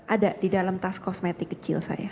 ada di dalam tas kosmetik kecil saya